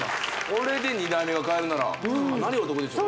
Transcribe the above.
これで２台目が買えるならかなりお得ですよ